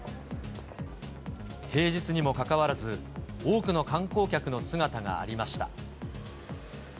平日にもかかわらず、多くの観光客の姿がありました。